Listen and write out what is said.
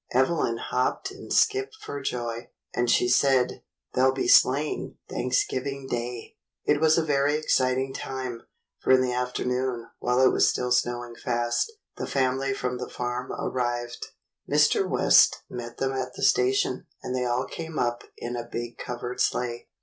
Evelyn hopped and skipped for joy, and she said, "There'll be sleighing Thanksgiving Day!" THE THANKSGIVING CANDLE 137 It was a very exciting time, for in the afternoon, while it was still snowing fast, the family from the farm arrived. Mr. West met them at the station, and they all came up in a big covered sleigh.